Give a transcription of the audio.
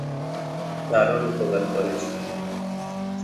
দারুণ উপকার করেছেন।